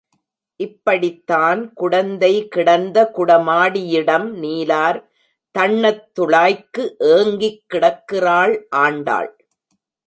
இப்படித்தான் குடந்தை கிடந்த குடமாடியிடம் நீலார் தண்ணத் துளாய்க்கு ஏங்கிக் கிடக்கிறாள் ஆண்டாள்.